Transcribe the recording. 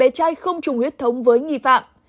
adn cho thấy bé trai không trùng huyết thống với nghi phạm